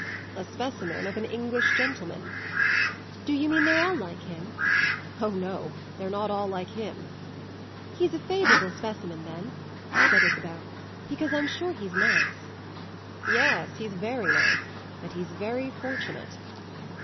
"A specimen of an English gentleman." "Do you mean they're all like him?" "Oh no; they're not all like him." "He's a favourable specimen then," said Isabel; "because I'm sure he's nice." "Yes, he's very nice. And he's very fortunate."